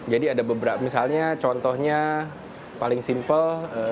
jadi ada beberapa misalnya contohnya paling simpel